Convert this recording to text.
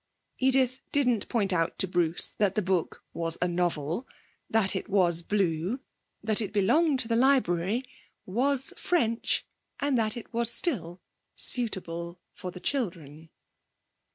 Edith didn't point out to Bruce that the book was a novel; that it was blue; that it belonged to the library, was French, and that it was still suitable for the children.